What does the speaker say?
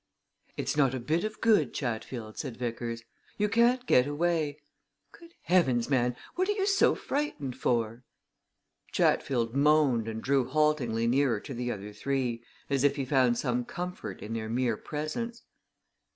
"It's not a bit of good, Chatfield," said Vickers. "You can't get away. Good heavens, man! what are you so frightened for!" Chatfield moaned and drew haltingly nearer to the other three, as if he found some comfort in their mere presence.